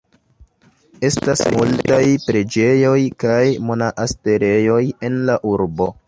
Estas multaj preĝejoj kaj monaasterejoj en la urbo.